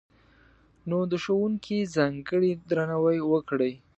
نو، د ښوونکي ځانګړی درناوی وکړئ!